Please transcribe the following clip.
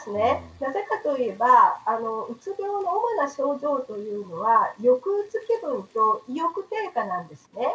なぜかといえばうつ病の主な症状というのは抑うつ気分と意欲低下なんですね。